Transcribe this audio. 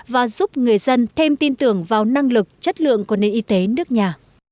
và giúp người dân thêm tin tưởng vào năng lực chất lượng của nền y tế nước nhà